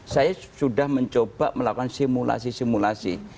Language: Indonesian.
saya sudah mencoba melakukan simulasi simulasi